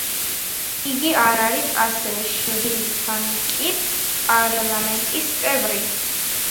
იგი არის ასევე შრი-ლანკის პარლამენტის წევრი.